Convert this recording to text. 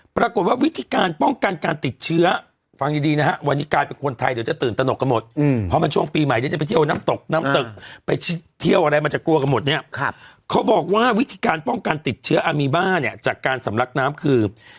ปรากฏว่าวิธีการป้องกันการติดเชื้อฟังดีดีนะฮะวันนี้กลายเป็นคนไทยเดี๋ยวจะตื่นตนกกันหมดเพราะมันช่วงปีใหม่เดี๋ยวจะไปเที่ยวน้ำตกน้ำตึกไปเที่ยวอะไรมันจะกลัวกันหมดเนี่ยเขาบอกว่าวิธีการป้องกันติดเชื้ออามีบ้าเนี่ยจากการสำลักน้ำคือ